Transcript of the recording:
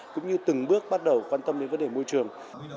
cũng như từng bước bắt đầu quan tâm đến vấn đề môi trường